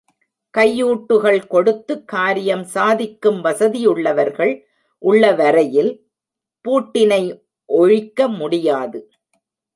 கையூட்டுகள் கொடுத்து காரியம் சாதிக்கும் வசதியுள்ளவர்கள் உள்ளவரையில், பூட்டினை ஒழிக்க முடியாது.